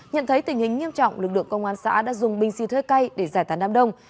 nhận thấy tình hình nghiêm trọng lực lượng công an xã đã dùng binh si thuê cây để giải thán đam đông